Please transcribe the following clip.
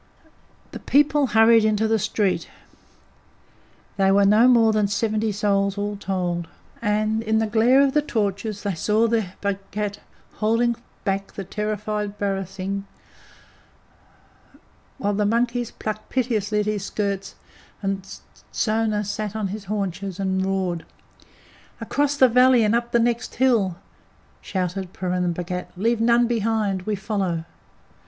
The people hurried into the street they were no more than seventy souls all told and in the glare of the torches they saw their Bhagat holding back the terrified barasingh, while the monkeys plucked piteously at his skirts, and Sona sat on his haunches and roared. "Across the valley and up the next hill!" shouted Purun Bhagat. "Leave none behind! We follow!"